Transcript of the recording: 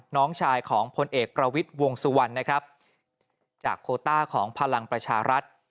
น้องชายของพลเอกประวิทย์วงสุวรรณนะครับจากโคต้าของพลังประชารัฐ